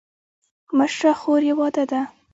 مشره خور یې واده ده.